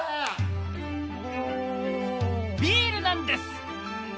ビールなんです！